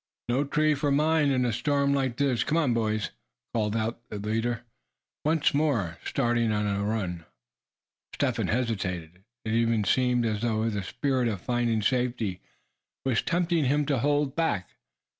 "No tree for mine in a storm like this, come on boys;" called out the patrol leader, once more starting on a run. Step Hen hesitated. It even seemed as though the spirit of finding safety was tempting him to hold back.